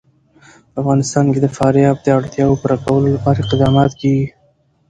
په افغانستان کې د فاریاب د اړتیاوو پوره کولو لپاره اقدامات کېږي.